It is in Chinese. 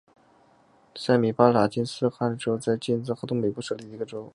塞米巴拉金斯克州在今日哈萨克东北部设立的一个州。